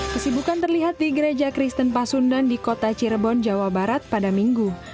kesibukan terlihat di gereja kristen pasundan di kota cirebon jawa barat pada minggu